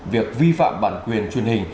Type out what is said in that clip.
việc vi phạm bản quyền truyền hình